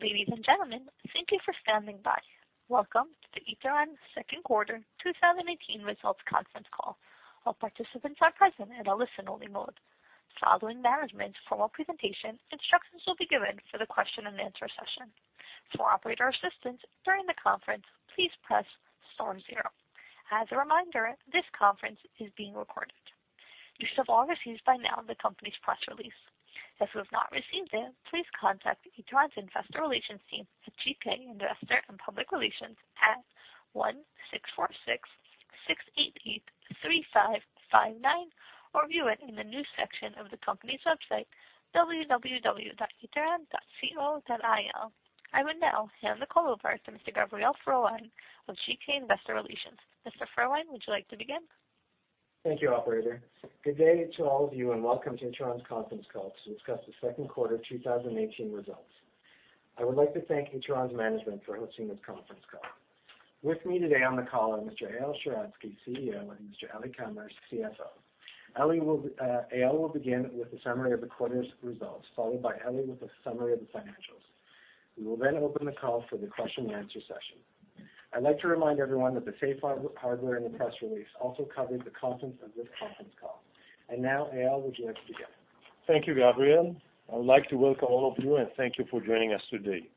Ladies and gentlemen, thank you for standing by. Welcome to the Ituran second quarter 2018 results conference call. All participants are present in a listen-only mode. Following management's formal presentation, instructions will be given for the question and answer session. For operator assistance during the conference, please press star zero. As a reminder, this conference is being recorded. You should have all received by now the company's press release. If you have not received it, please contact Ituran Investor Relations team at GK Investor & Public Relations at 1-646-688-3559 or view it in the news section of the company's website, www.ituran.co.il. I will now hand the call over to Mr. Ehud Helft of GK Investor Relations. Mr. Ehud Helft, would you like to begin? Thank you, operator. Good day to all of you, and welcome to Ituran's conference call to discuss the second quarter 2018 results. I would like to thank Ituran's management for hosting this conference call. With me today on the call are Mr. Eyal Sheratzky, CEO, and Mr. Eli Kamer, CFO. Eyal will begin with a summary of the quarter's results, followed by Eli with a summary of the financials. We will then open the call for the question and answer session. I'd like to remind everyone that the safe harbor in the press release also covers the content of this conference call. Now, Eyal, would you like to begin? Thank you,. I would like to welcome all of you, Thank you for joining us today.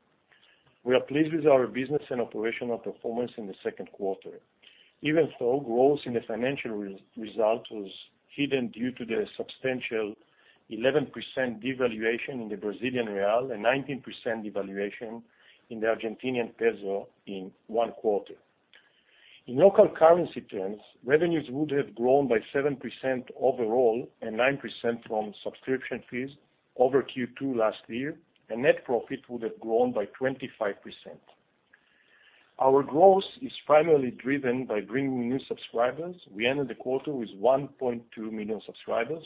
We are pleased with our business and operational performance in the second quarter, even though growth in the financial result was hidden due to the substantial 11% devaluation in the Brazilian real and 19% devaluation in the Argentinian peso in one quarter. In local currency terms, revenues would have grown by 7% overall and 9% from subscription fees over Q2 last year, net profit would have grown by 25%. Our growth is primarily driven by bringing new subscribers. We ended the quarter with 1.2 million subscribers.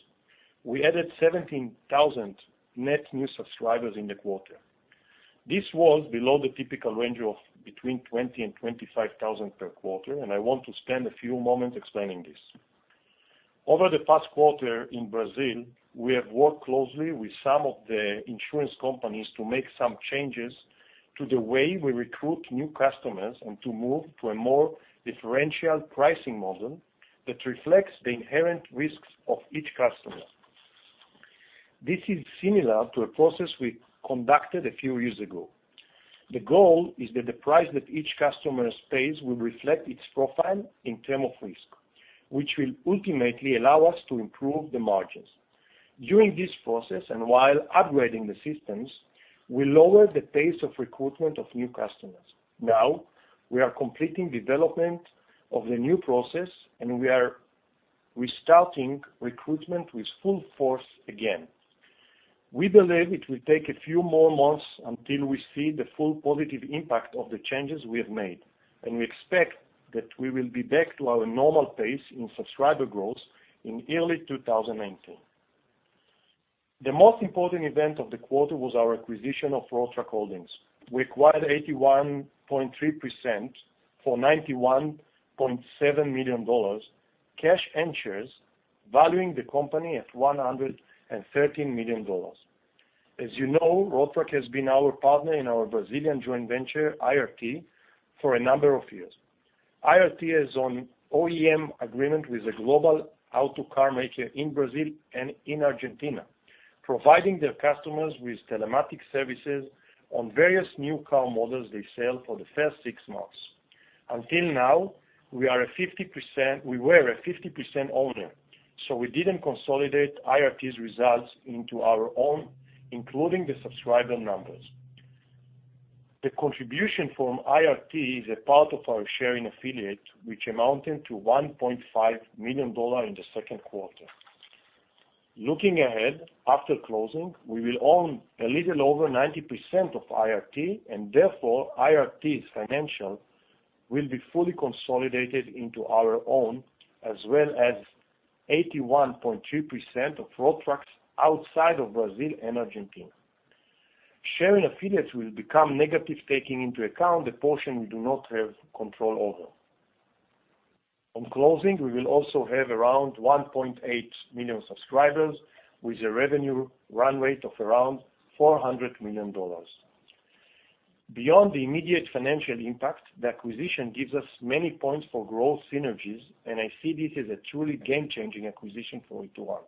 We added 17,000 net new subscribers in the quarter. This was below the typical range of between 20,000 and 25,000 per quarter, I want to spend a few moments explaining this. Over the past quarter in Brazil, we have worked closely with some of the insurance companies to make some changes to the way we recruit new customers and to move to a more differential pricing model that reflects the inherent risks of each customer. This is similar to a process we conducted a few years ago. The goal is that the price that each customer pays will reflect its profile in terms of risk, which will ultimately allow us to improve the margins. During this process, While upgrading the systems, we lowered the pace of recruitment of new customers. Now we are completing development of the new process, We are restarting recruitment with full force again. We believe it will take a few more months until we see the full positive impact of the changes we have made, and we expect that we will be back to our normal pace in subscriber growth in early 2019. The most important event of the quarter was our acquisition of Road-Track Holdings. We acquired 81.3% for $91.7 million cash and shares, valuing the company at $113 million. As you know, Road-Track has been our partner in our Brazilian joint venture, IRT, for a number of years. IRT is on OEM agreement with a global auto car maker in Brazil and in Argentina, providing their customers with telematics services on various new car models they sell for the first six months. Until now, we were a 50% owner, so we didn't consolidate IRT's results into our own, including the subscriber numbers. The contribution from IRT is a part of our share in affiliate, which amounted to $1.5 million in the second quarter. Looking ahead, after closing, we will own a little over 90% of IRT, and therefore IRT's financial will be fully consolidated into our own as well as 81.3% of Road-Track outside of Brazil and Argentina. Share in affiliates will become negative, taking into account the portion we do not have control over. On closing, we will also have around 1.8 million subscribers with a revenue run rate of around $400 million. Beyond the immediate financial impact, the acquisition gives us many points for growth synergies, and I see this as a truly game-changing acquisition for Ituran.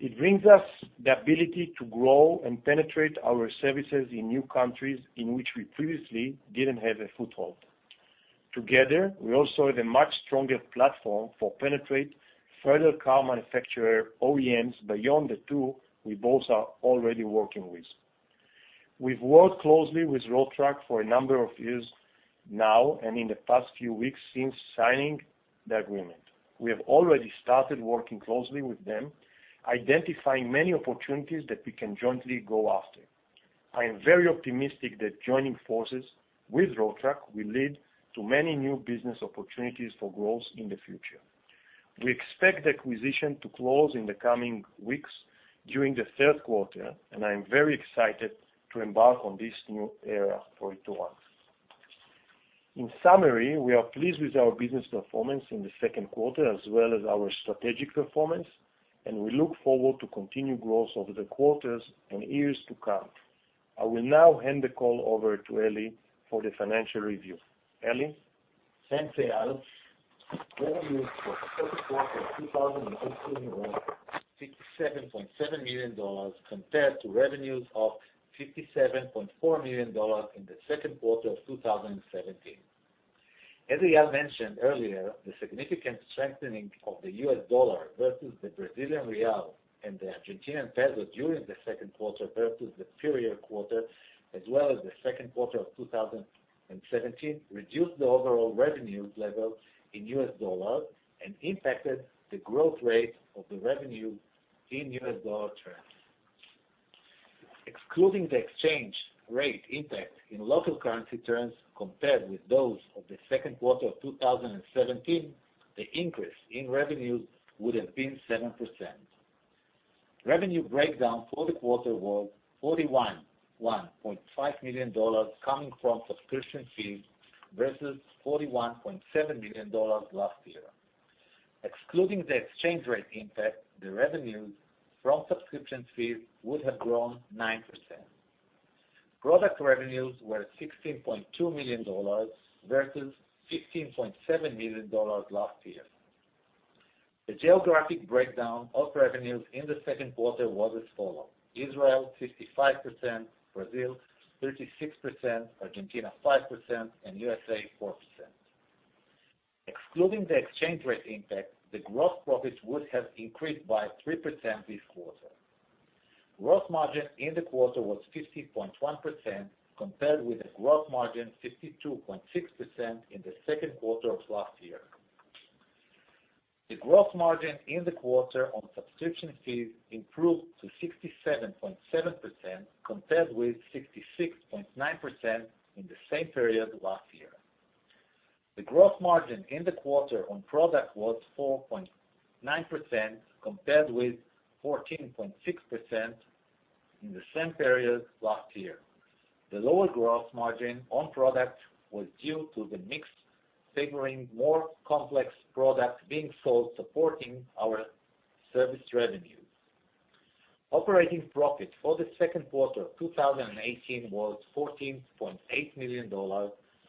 It brings us the ability to grow and penetrate our services in new countries in which we previously didn't have a foothold. Together, we also have a much stronger platform for penetrate further car manufacturer OEMs beyond the two we both are already working with. We've worked closely with Road-Track for a number of years now. In the past few weeks since signing the agreement, we have already started working closely with them, identifying many opportunities that we can jointly go after. I am very optimistic that joining forces with Road-Track will lead to many new business opportunities for growth in the future. We expect the acquisition to close in the coming weeks during the third quarter. I am very excited to embark on this new era for Ituran. In summary, we are pleased with our business performance in the second quarter as well as our strategic performance, and we look forward to continued growth over the quarters and years to come. I will now hand the call over to Eli for the financial review. Eli? Thanks, Eyal. Revenues for the second quarter of 2018 were $57.7 million compared to revenues of $57.4 million in the second quarter of 2017. As Eyal mentioned earlier, the significant strengthening of the US dollar versus the Brazilian real and the Argentinian peso during the second quarter versus the prior quarter, as well as the second quarter of 2017, reduced the overall revenue level in US dollars and impacted the growth rate of the revenue in US dollar terms. Excluding the exchange rate impact in local currency terms compared with those of the second quarter of 2017, the increase in revenue would have been 7%. Revenue breakdown for the quarter was $41.5 million coming from subscription fees versus $41.7 million last year. Excluding the exchange rate impact, the revenue from subscription fees would have grown 9%. Product revenues were $16.2 million versus $15.7 million last year. The geographic breakdown of revenues in the second quarter was as follows: Israel 55%, Brazil 36%, Argentina 5%, and USA 4%. Excluding the exchange rate impact, the gross profits would have increased by 3% this quarter. Gross margin in the quarter was 50.1%, compared with a gross margin 52.6% in the second quarter of last year. The gross margin in the quarter on subscription fees improved to 67.7%, compared with 66.9% in the same period last year. The gross margin in the quarter on product was 4.9%, compared with 14.6% in the same period last year. The lower gross margin on product was due to the mix favoring more complex products being sold supporting our service revenues. Operating profit for the second quarter of 2018 was $14.8 million,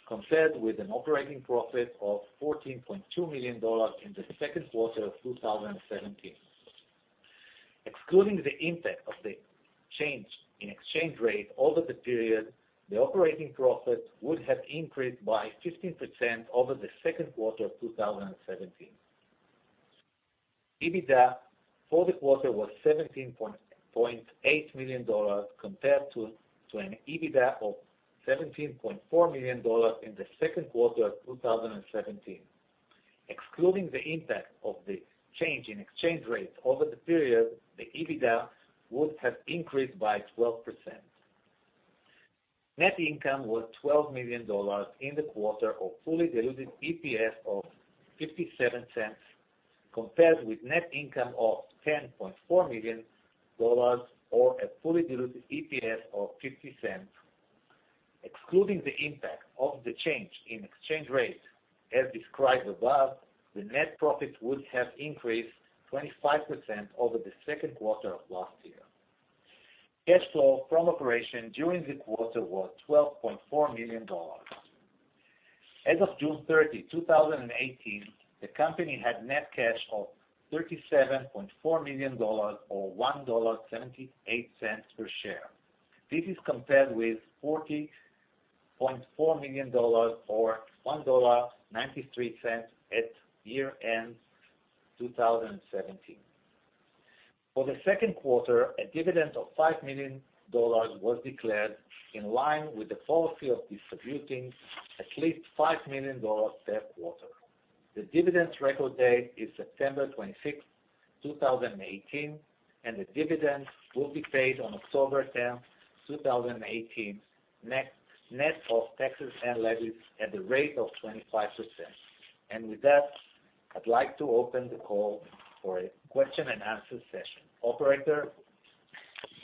compared with an operating profit of $14.2 million in the second quarter of 2017. Excluding the impact of the change in exchange rate over the period, the operating profit would have increased by 15% over the second quarter of 2017. EBITDA for the quarter was $17.8 million compared to an EBITDA of $17.4 million in the second quarter of 2017. Excluding the impact of the change in exchange rates over the period, the EBITDA would have increased by 12%. Net income was $12 million in the quarter of fully diluted EPS of $0.57, compared with net income of $10.4 million, or a fully diluted EPS of $0.50. Excluding the impact of the change in exchange rates, as described above, the net profit would have increased 25% over the second quarter of last year. Cash flow from operations during the quarter was $12.4 million. As of June 30, 2018, the company had net cash of $37.4 million, or $1.78 per share. This is compared with $40.4 million or $1.93 at year-end 2017. For the second quarter, a dividend of $5 million was declared in line with the policy of distributing at least $5 million per quarter. The dividend's record day is September 26, 2018, and the dividend will be paid on October 10, 2018, net of taxes and levies at the rate of 25%. With that, I'd like to open the call for a question and answer session. Operator?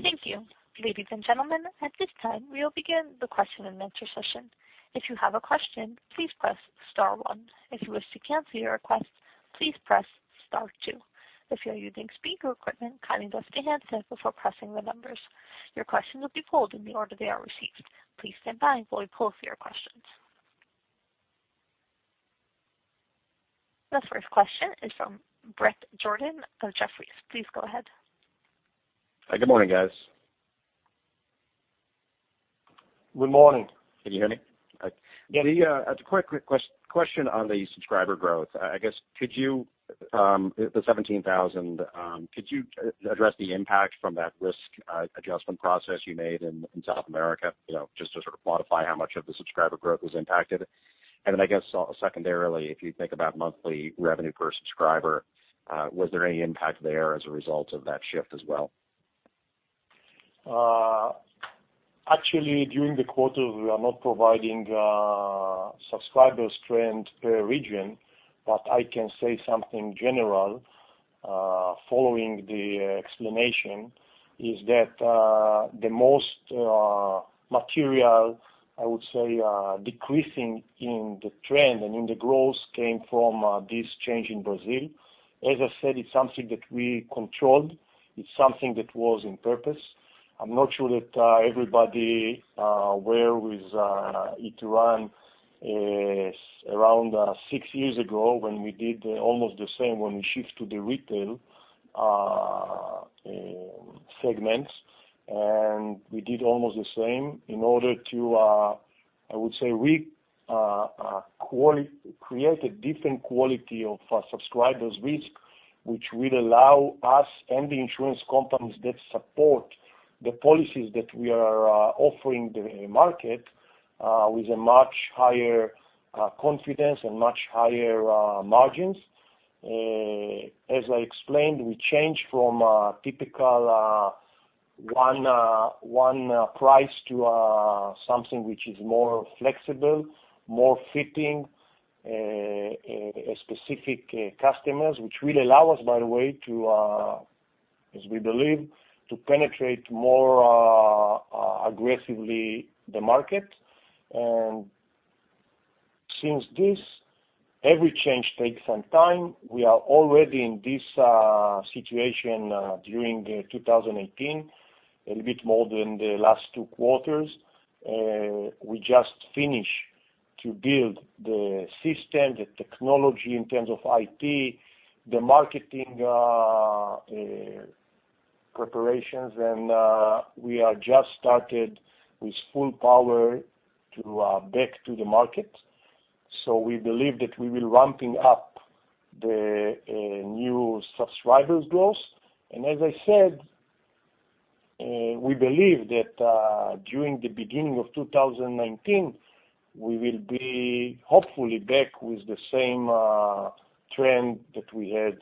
Thank you. Ladies and gentlemen, at this time, we will begin the question-and-answer session. If you have a question, please press *1. If you wish to cancel your request, please press *2. If you are using speaker equipment, kindly deaf the handset before pressing the numbers. Your questions will be pulled in the order they are received. Please stand by while we pull through your questions. The first question is from Brett Jordan of Jefferies. Please go ahead. Hi. Good morning, guys. Good morning. Can you hear me? Yes. A quick question on the subscriber growth. I guess, the 17,000, could you address the impact from that risk adjustment process you made in South America, just to sort of quantify how much of the subscriber growth was impacted? Then, I guess, secondarily, if you think about monthly revenue per subscriber, was there any impact there as a result of that shift as well? Actually, during the quarter, we are not providing subscribers trend per region. I can say something general Following the explanation is that the most material, I would say, decreasing in the trend and in the growth came from this change in Brazil. As I said, it's something that we controlled. It's something that was on purpose. I'm not sure that everybody were with Ituran around six years ago when we did almost the same, when we shift to the retail segments. We did almost the same in order to, I would say, create a different quality of subscribers risk, which will allow us and the insurance companies that support the policies that we are offering the market with a much higher confidence and much higher margins. As I explained, we changed from a typical one price to something which is more flexible, more fitting specific customers, which will allow us, by the way, as we believe, to penetrate more aggressively the market. Since this, every change takes some time. We are already in this situation during 2018, a little bit more than the last two quarters. We just finished to build the system, the technology in terms of IT, the marketing preparations. We are just started with full power back to the market. We believe that we will ramping up the new subscribers growth. As I said, we believe that during the beginning of 2019, we will be hopefully back with the same trend that we had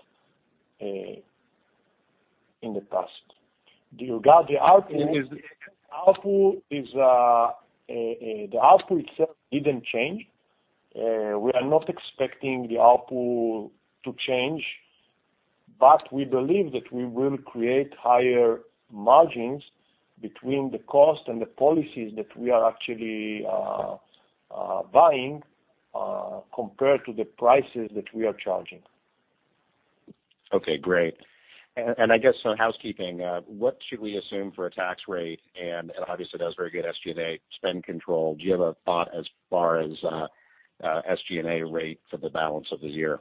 in the past. Regarding the output, the output itself didn't change. We are not expecting the output to change, we believe that we will create higher margins between the cost and the policies that we are actually buying compared to the prices that we are charging. Okay, great. I guess some housekeeping, what should we assume for a tax rate? Obviously, that was very good SG&A spend control. Do you have a thought as far as SG&A rate for the balance of the year?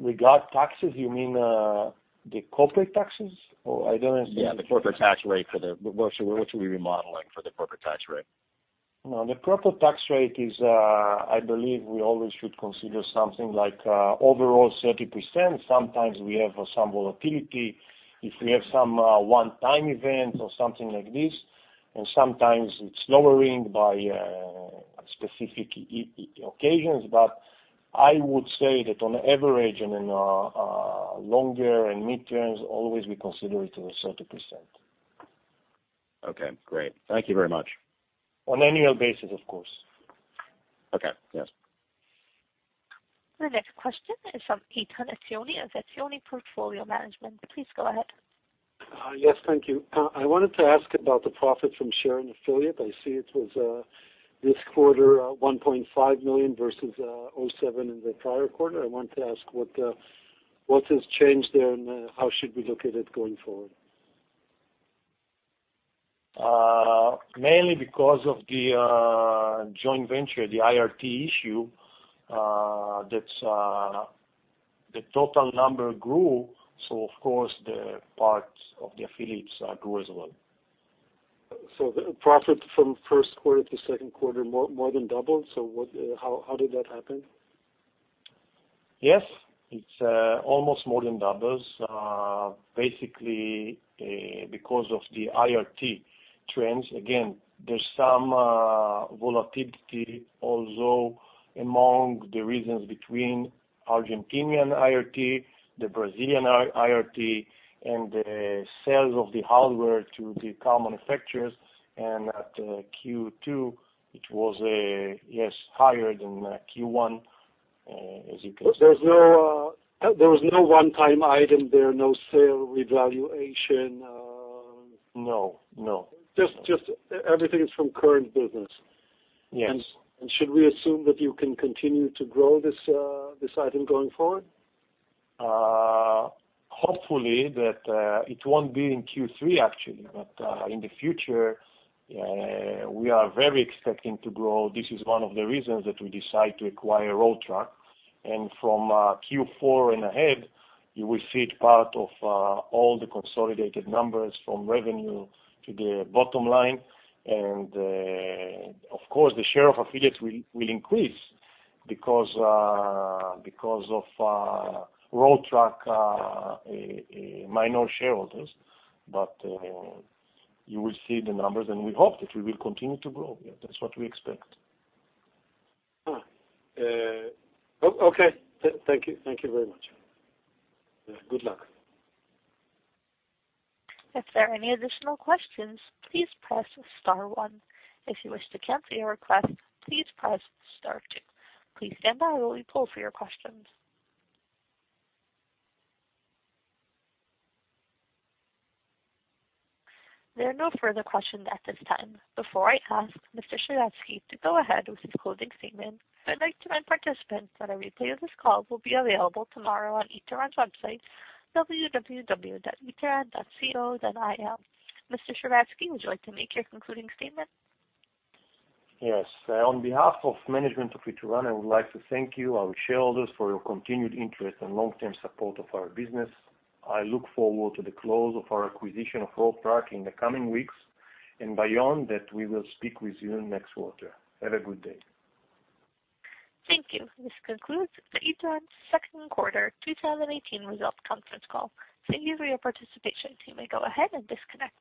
Regarding taxes, you mean the corporate taxes, or I don't understand. Yeah, the corporate tax rate. What should we be modeling for the corporate tax rate? The corporate tax rate is, I believe we always should consider something like overall 30%. Sometimes we have some volatility. If we have some one-time event or something like this, sometimes it's lowering by specific occasions. I would say that on average and in longer and mid-terms, always we consider it as 30%. Okay, great. Thank you very much. On annual basis, of course. Okay, yes. The next question is from Eitan Itzioni of Itzioni Portfolio Management. Please go ahead. Yes, thank you. I wanted to ask about the profit from share and affiliate. I see it was this quarter, $1.5 million versus $0.7 million in the prior quarter. I want to ask what has changed there, and how should we look at it going forward? Mainly because of the joint venture, the IRT issue, the total number grew, so of course, the parts of the affiliates grew as well. The profit from first quarter to second quarter more than doubled. How did that happen? Yes. It's almost more than doubles. Basically, because of the IRT trends. Again, there's some volatility also among the regions between Argentinian IRT, the Brazilian IRT, and the sales of the hardware to the car manufacturers, and at Q2, which was, yes, higher than Q1, as you can see. There was no one-time item there, no sale revaluation? No. Just everything is from current business. Yes. Should we assume that you can continue to grow this item going forward? Hopefully. That it won't be in Q3, actually. In the future, we are very expecting to grow. This is one of the reasons that we decide to acquire RoadTrack, from Q4 and ahead, you will see it part of all the consolidated numbers from revenue to the bottom line. Of course, the share of affiliates will increase because of RoadTrack minor shareholders. You will see the numbers, and we hope that we will continue to grow. That's what we expect. Okay. Thank you very much. Good luck. If there are any additional questions, please press star one. If you wish to cancel your request, please press star two. Please stand by while we poll for your questions. There are no further questions at this time. Before I ask Mr. Sheratzky to go ahead with his closing statement, I'd like to remind participants that a replay of this call will be available tomorrow on Ituran's website, www.ituran.co.il. Mr. Sheratzky, would you like to make your concluding statement? Yes. On behalf of management of Ituran, I would like to thank you, our shareholders, for your continued interest and long-term support of our business. I look forward to the close of our acquisition of Road-Track in the coming weeks, and beyond that, we will speak with you next quarter. Have a good day. Thank you. This concludes the Ituran second quarter 2018 results conference call. Thank you for your participation. You may go ahead and disconnect.